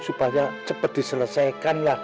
supaya cepat diselesaikan